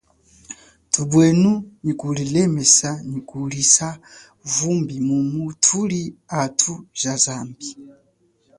Thupwenu nyi kulilemesa nyi kulisa vumbi mumu thuli athu ja zambi.